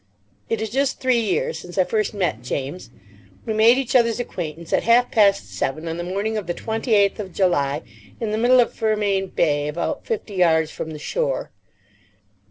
It is just three years since I first met James. We made each other's acquaintance at half past seven on the morning of the 28th of July in the middle of Fermain Bay, about fifty yards from the shore.